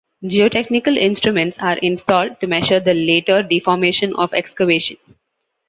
Geotechnical instruments are installed to measure the later deformation of excavation.